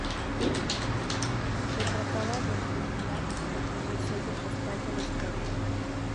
Se trataba del Penny Black, el primer sello postal de la historia.